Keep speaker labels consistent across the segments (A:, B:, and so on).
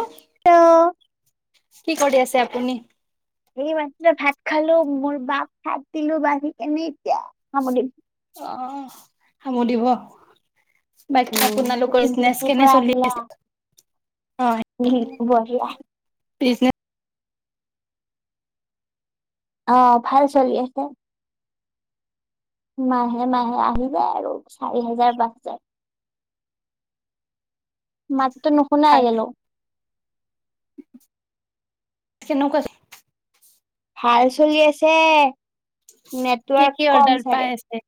A: Hello
B: কি কৰি আছে আপুনি?
A: সেই মাে ভাত খালো মোৰ বা ভাত দিলো বা়ৰি কেনে এতিয়া। হামো দিম
B: অ, হামো দিব? বাকি আপোনালোকৰ বিজনেচ
A: ডিউটিৰ
B: কেনে
A: পৰা
B: চলি
A: আহিলা
B: আছে?
A: বঢ়িয়া অ, ভাল চলি আছে। মাহে, মাহে আহি যায় আৰু চাৰি হাজাৰ, পাঁচ হাজাৰ ম ত
B: ভাল
A: নুশুনাই গলো।
B: কে নোকচ
A: ভাল চলি আছে।
B: কি
A: নেটৱৰ্ক
B: কি
A: কম
B: অডাৰ
A: চাগে
B: পাইছে?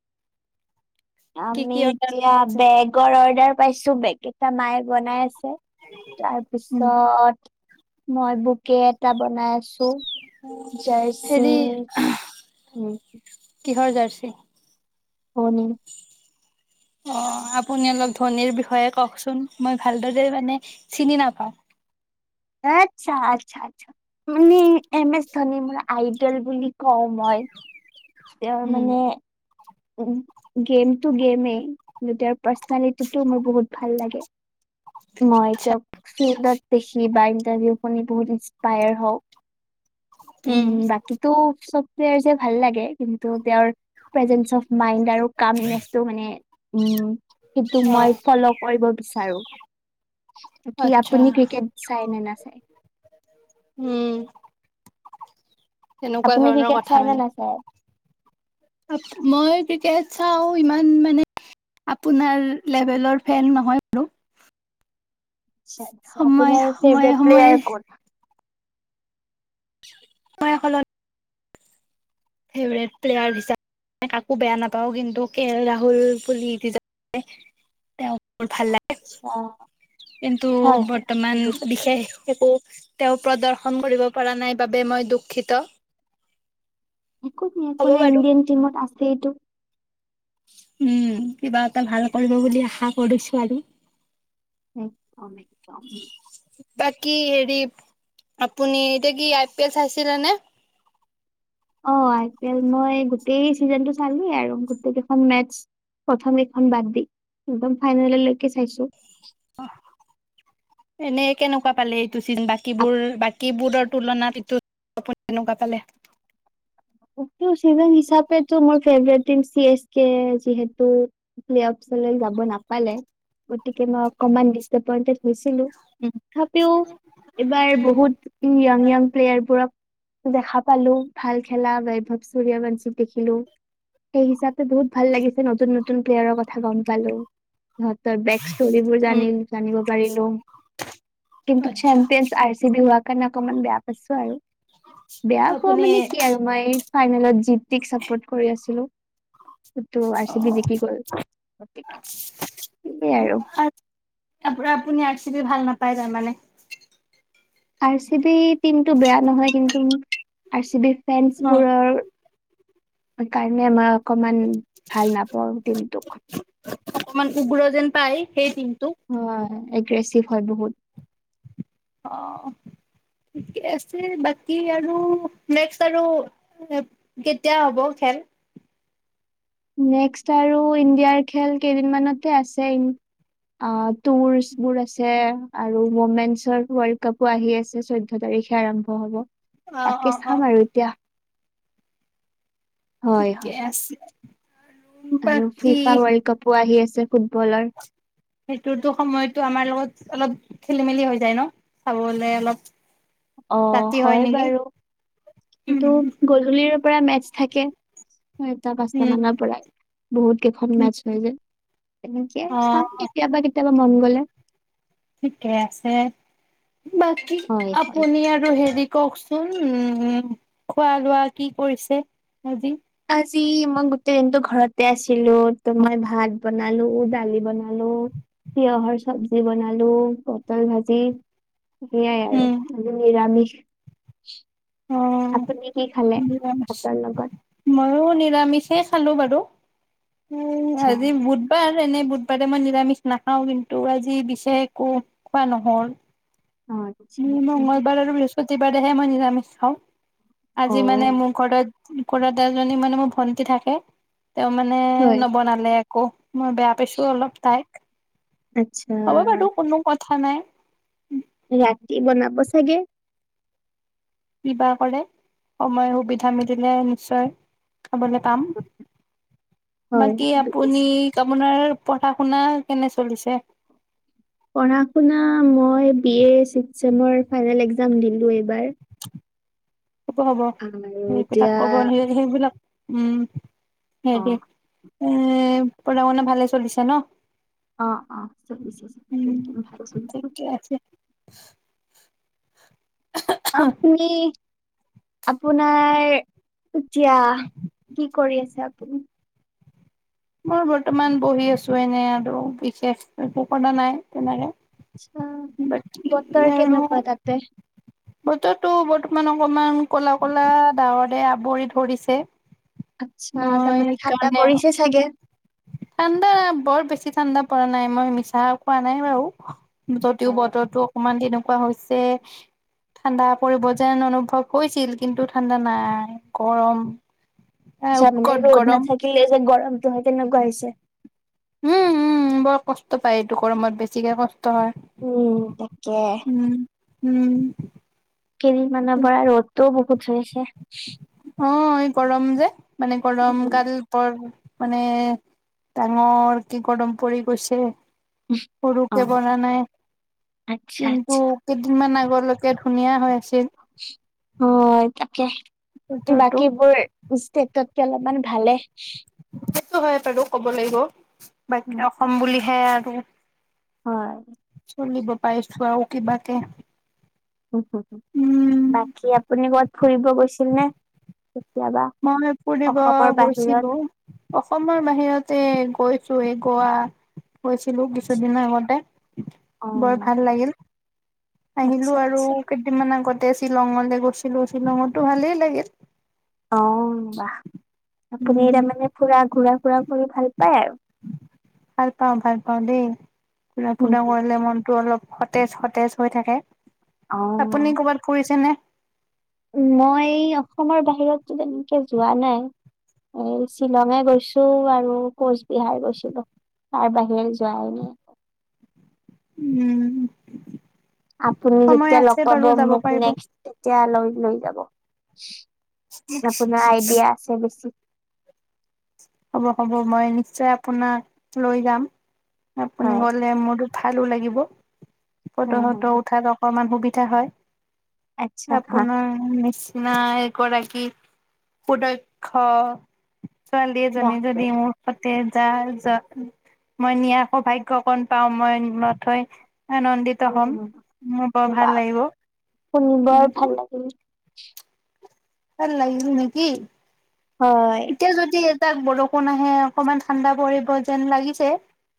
A: আমি এতিয়া বেগৰ অৰ্ডাৰ পাইছো বেগকেইটা মায়ে বনাই আছে।
B: উম,
A: তাৰপিছত মই বোকে এটা বনাই আছো।
B: হেৰি
A: জাৰচি
B: কিহৰ জাৰ্চি?
A: অনি।
B: অ, আপুনি অলপ ধনীৰ বিষয়ে কওকচোন মই ভালদৰে মানে চিনি নাপাওঁ।
A: আচ্ছা, আচ্ছা, আচ্ছা। মানে এম এছ ধনি মুলা আইডেল বুলি কওঁ মই। তেওঁৰ
B: উম,
A: মানে? উ গেমতটো গেমেই তুতো মোৰ বহুত ভাল লাগে।
B: আচ্ছা
A: মইতিযয়া ফিল্ডত দেখি বা ইণ্টাৰভিউ খনি বহুত ইনস্পায়াৰ হওঁ। উম বাকীটো চব আৰু যে ভাল লাগে। কিন্তু তেওঁৰ প্ৰেজেঞ্চ অফ মাইণ্ড আৰু কামনেসটো হমম মানে সেইটো মই
B: অ',
A: ফোল্লো কৰিব বিচা বিচাৰোঁ। কি
B: আচ্ছা
A: আপুনি ক্ৰিকেট চাই নে না চায়?
B: উম, তেনেকুৱা
A: আপুনি
B: ধৰণৰ
A: ক্ৰিকেট
B: কথা
A: চাই নে
B: মানে।
A: না চায়?
B: মই ক্ৰিকেট চাওঁ ইমান মানে, আপোনাৰ লেভেলৰ ফেন নহয়। বাৰু
A: আচ্ছা আচ্ছা,
B: সময়
A: আপোনাৰ
B: সময়ে
A: ফেভৰেট
B: সময়ে
A: প্লেয়াৰ কোন?
B: এই সলনি ফেভাৰেট প্লেয়াৰ হিচাপে কাকো বেয়া নাপাওঁ। কিন্তু কে এল ৰাহুল বুলি সিটো যে তেওঁক বৰ ভাল লাগে।
A: আচ্ছা
B: কিন্তু
A: হয় হয়
B: বৰ্তমান
A: বুজি পাইছো।
B: বিশেষ একোৱেই তেওঁ প্ৰদৰ্শন ফোন কৰিব পৰা নাই বাবে মই দুঃখিত।
A: একো নাই একো নাই ইণ্ডিয়ান টীমত আছে এইটো।
B: উম, কিবা এটা ভাল কৰিব বুলি আশা কৰিছোঁ আৰু।
A: হ'ম, আমি যামদে।
B: বাকী হেৰি আপুনি এতিয়া কি আই পি এল চাইছিলে নে?
A: অ আই পি এল মই গোটেই ছিজনটো চালোঁ আৰু গোটখন মেচস প্ৰথমখন বাদ দি একদম ফাইনেলকে চাইছোঁ।
B: অহ। এনেই কেনেকুৱা পালে এইট হেতু ছিজন বাকীবোৰ বাকীবোৰত তুলনাত‌ ছিজন আপুনি তেনেকুৱা পালে?
A: কি‌ হয়ছে? ছিজন হিচাপে তোমোৰ favourite. Team C S K যিহেতু প্লে অপচনাল ৰাখ নাপালে গতিকে মই অকমান হৈছিলোঁ।
B: উম
A: তথাপিও এইবাৰ বহুত ইয়য়া্ য়াং প্লেয়াৰবোৰক দেখা পালোঁ, ভালকে খেলা, বৈভৱ সূৰ্যবংশীক দেখিলোঁ সেইহিচাপে বহুত ভাল লাগিছে নতুন নতুন প্লেয়াৰৰ কথা গম পালোঁ। সিহঁতৰ বেক ষ্টোৰীবোৰ
B: উম
A: জনি জানিব পাৰিলোঁ কিন্তু
B: আচ্ছা
A: চেম্পিয়ন আৰ চি বি হোৱা কাৰণে অকণমান বেয়া। হৈছে আৰু বেয়া পোৱা
B: আপুনি
A: মানে কি? এই ফাইনেলত জিত জি টিক চাপোৰ্ট কৰি আছিলো কিন্তু আৰ চি বি জিকি গ'ল গতিকে সেইটো আৰু।
B: তুমি ভাল নাপায় জানানে।
A: আৰ চি বি টিমতটো বেয়া নহয়, কিন্তু আৰ চি বি
B: অ
A: ফেন্ছবোৰৰ [unintelligible] অকমান ভাল নাপাওঁ কিন্তটো।
B: সেইদিন
A: হয় এক কেগ্ৰেভ হয় বহুত
B: অ ঠিকে আছে বাকী আৰু নেক্স আৰু কেতিয়া হ'ব খেল
A: নেকষ্ট আৰু ইণ্ডিয়াৰ খেল কেইদিন মানতে আছে অ আৰু টুৰচবো আছে অমেনছৰ ৱেলকাপ আহি আছে চধ তাৰিখে আৰম্ভ হব
B: অ অ
A: তাকে
B: অ
A: চাম আৰু এতিয়া হয়
B: ঠিকে
A: হয়
B: আছে
A: আৰু
B: বাকী
A: ফিফা ৱৰ্ল্ড কাপো আহি আছে ফুটবলৰ
B: সেইটোতো সময়তো আমাৰ লগত অলপ খেলি মেলি হৈ যায় ন চাবলে অলপ
A: অ
B: ৰাতি
A: হয়
B: নেকি
A: বাৰু
B: উম
A: কিন্তু গধূলিৰ পৰা মেচ থাকে ছয়টা পাঁচটা
B: উম
A: মানৰ পৰা বহুত কেইখন
B: উম
A: মেচ হৈ যায় তেনেকে
B: অ
A: চাম কেতিয়াবা কেতিয়াবা মন গলে [inaudible]
B: ঠিকে আছে বাকী
A: হয় হয়
B: আপুনি আৰু হেৰি কওকচোন উম খোৱা লোৱা কি কৰিছে আজি
A: ভজি মই গোটেই দিনটো ঘৰতে আছিলো ত মই ভাত বনালো দালি বনালো তিয়হৰ চব্জি বনালো পটল ভাজি সয়াই আৰু নিৰামিষ [unintelligible]
B: অ
A: আপুনি কি খালে
B: নিৰামি
A: ভাতৰ লগত
B: ময়ো নিৰামিষে খালো বাৰু হেল্ল' উ
A: আচ্ছা
B: আজি বুধবাৰ এনে বুধবাৰে মই নিৰামিষ নাখাও কিন্তু আজি বিশছে একো খোৱা নহল
A: অ আচ্ছা
B: নি মংঙলবাৰ আৰু বৃহচ প্ৰতিবাদহে মই নিজামিষ খাওঁ
A: অ
B: আজি মানে মোৰ ঘৰত কুৰা এ এজনী মানে মোৰ ভণ্টি থাকে তেওঁ মানে
A: হয়
B: নবনালে ক মই বেয়া পাইছো অলপ তাই
A: আচ্ছা
B: নাই
A: ৰাতি বনাব চাগে
B: কি বা কৰে সময় সুবিধা মিলিলে নিশ্চয়।। খাবলৈ পাম।
A: হয়
B: বাকী আপুনি
A: বুজিছো
B: আপোনাৰ।। পঢ়া -শুনা কেনে চলিছে?
A: পঢ়া -শুনা মই বি এ চিস্ক চেমৰ ফাইনেল একজাম দিলো এইবাৰ।
B: হ'ব হ'ব
A: আৰু
B: সেইবিলাক
A: এতিয়া
B: কব সেইবিলাক।। উম।
A: অ
B: হেৰি এ পঢ়া শুনা ভালে চলিছে ন?
A: অঁ অঁ চলিছে
B: উম
A: ভালেই চলিছে।
B: ঠিকে আছে [inaudible]
A: আপুনি? আপোনাৰ এতিয়া কি কৰি আছে? আপুনি
B: মই বৰ্তমান বহি আছো এনে আৰু বিশেষ একো কৰা নাই তেনেকে।
A: আছো। বতৰ
B: বাকী আৰু
A: কেনেকুৱা তাতে?
B: বতৰটো বৰ্তমান অকণমান ক'লা ক'লা ডাৱৰে আৱৰি ধৰিছে।
A: আচ্ছা
B: মই
A: তাৰমানে ঠাণ্ডা
B: সেইকাৰণে
A: পৰিছে চাগে?
B: ঠাণ্ডা বৰ বেছি ঠাণ্ডা পৰা নাই। মই মিছা কোৱা নাই বাৰু যদিও
A: অ',
B: বতৰটো অকণমান তেনেকুৱা।। কোৱা হৈছে ঠাণ্ডা পৰিব যেন অনুভৱ হৈছিল। কিন্তু ঠাণ্ডা নাই গৰম এ
A: চাম মানে
B: উৎকট
A: ৰ'দ না
B: গৰম
A: থাকিলে যে গৰমটো হয় কেনেকুৱা আহিছে উ [inaudible]
B: উম উম বৰ কষ্ট পায় এইটো গৰমত বেছিকৈ কষ্ট।। সেই টো হয়।
A: উম, তাকে
B: উম উম।
A: কেইদিন মানৰ পৰা ৰ'দটো।। উঠি আছে।।
B: অঁ এই গৰম যে, মানে গৰম
A: উম,
B: কাল পৰ।। মানে ডাঙৰ কি গৰম পৰি গৈছে। সৰুকে
A: অ',
B: বনা নাই
A: আচ্ছা
B: কিন্তু
A: আচ্ছা
B: কেইদিনমান আগত।। লোকে ধুনীয়া হৈ আছিল।
A: সি অ আইতা কে
B: বতৰটো
A: বাকীবোৰ ষ্টেটত কে অলপমান ভালে।।
B: সেইটো হয় বাৰু, ক'ব লাগিব। বাকী অসম বুলিহে আৰু।।
A: হয়।
B: চলিব পাৰিছোঁ আৰু কিবাকে।
A: হুম হুম হু
B: উম
A: বাকি আপুনি কত- ফুৰিব গৈছিল নে? কেতিয়াবা
B: মমে ফুৰিব
A: অসমৰ বাহিৰত?
B: গৈছিলোঁ, অসমৰ বাহিৰতে গৈ- চোঁ, এই গোৱা- গৈছিলো কিছুদিনৰ আগতে। বৰ
A: অ',
B: ভাল লাগিল,
A: আচ্ছা
B: আহিলোঁ আৰু
A: আচ্ছা
B: কেইদিনমান আগত- তে শ্বিলঙলৈ গৈছিলো শ্বিলঙততো ভালেই লাগিল।
A: অহ বাহ। আপুনি
B: উম
A: তাৰমানে ফুৰা, ঘূৰা-ফুৰা -
B: ভাল পাওঁ, ভাল পাওঁ দেই।
A: উম,
B: ঘুৰা-ফুৰা কৰিলে মনটো অলপ- সতেজ সতেজ হৈ থাকে।
A: অ',
B: আপুনি কৰবাত ফুৰিছে নে?
A: কে যোৱা নাই, এই শ্বিলঙে গৈছোঁ আৰু কোচবিহাৰ গৈছিলোঁ। তাৰ বাহিৰে যোৱাই নাই।
B: উম।
A: আপুনি
B: সময়
A: যেতিয়া লগ
B: আছে
A: পাব
B: বাৰু যাব
A: মোক
B: পাৰিব
A: নেক্সট, তেতিয়া লৈ- লৈ যাব। আপোনাৰ আইডিয়া আছে বেছি।
B: হ'ব হ'ব, মই নিশ্চয় আপোনাক লৈ যাম। আপুনি
A: হয়
B: গ'লে মোৰো- ভালো লাগিব।
A: হয়
B: ফটো-সটো
A: হয়
B: উঠাত অকমান সুবি- তা হয়।
A: আচ্ছা হা
B: আপনাৰ নিচ- নাই কৰা কি সুদক্ষ ছোৱালী এজনী যদি
A: বাপৰে
B: মোৰ তাতে- যাৰ যত, মই নি আকৌ ভাগ্য অকন পাওঁ মই নথৈ-
A: উম বাহ
B: ভাল লাগিব
A: বাহ, শুনি বৰ
B: কিন্তু
A: ভাল লাগিল। [unintelligible]
B: ভাল লাগিছে নিকি?
A: হয়।
B: তাত বৰষুণ আহে অকনমান ঠাণ্ডা পৰিব যেন লাগিছে।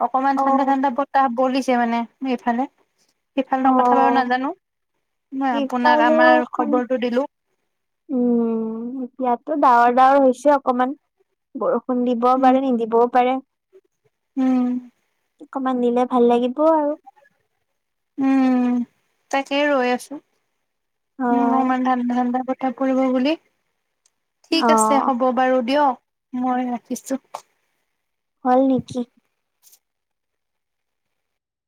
B: অকনমান ঠাণ্ডা
A: অ',
B: ঠাণ্ডা বতাহ বলিছ- ছে মানে এইফালে। সিফালৰ কথা বাৰু
A: অ',
B: নাজানো মই আপোনাক
A: ইফালেও
B: আমাৰ
A: অকণ
B: খবৰটো দিলোঁ
A: উম ইয়াতো ডাৱৰ ডাৱৰ হৈছে অকমান বৰষুণ খুন্দিবও
B: উম
A: পাৰে নিদিবও পাৰে
B: উম
A: অকমান দিলে ভাল লাগি অ'
B: তাতে ৰৈ আছো উম
A: হয়।
B: ম কৰিব বুলি
A: অ
B: ঠিক আছে হ'ব বাৰু দিয়ক মই ৰাখিছো
A: হল নেকি